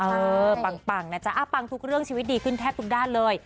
ปังนะจ๊ะปังทุกเรื่องชีวิตดีขึ้นแทบทุกด้านเลย